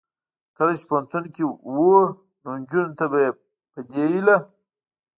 کله چې پوهنتون کې و نو نجونو ته به یې په دې هیله